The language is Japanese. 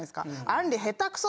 「あんり下手くそだよ」